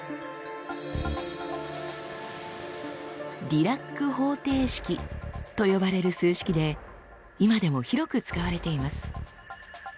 「ディラック方程式」と呼ばれる数式で今でも広く使われています。